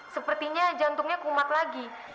sepertinya jantungnya kumat lagi